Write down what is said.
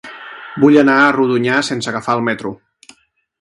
Vull anar a Rodonyà sense agafar el metro.